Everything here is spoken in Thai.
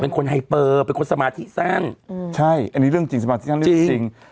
เป็นคนไฮเปอร์เป็นคนสมาธิสั้นใช่อันนี้เรื่องจริงสมาธิสั้นจริง